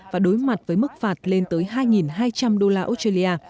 và đối mặt với mức phạt lên tới hai hai trăm linh đô la australia